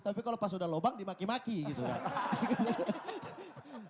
tapi kalau pas udah lubang dimaki maki gitu kan